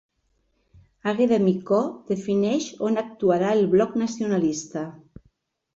Àgueda Micó defineix on actuarà el Bloc Nacionalista